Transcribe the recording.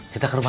kita ke rumah